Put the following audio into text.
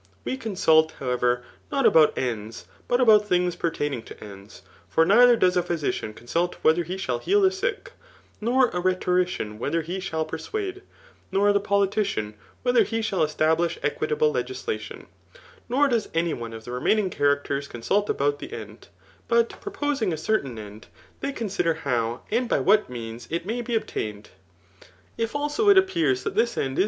We consult, however, not about aids, but about things pertaining to ends. For neither does a physician consult whether he shall heal the sick, noir a rhetprician whether he ^hall persuade, nor the politician whether he shall establish equitable legislation, nor does Angr QKie of the remaiD^g characters consult about the end} but proposing a certain end, they consider how, Digitized by Google as THB mOOVAiHBAK nAkff^'wbm tatoM ife onf beiobtMned; vtf aiao ik IMBOS tlMftthiB end ts.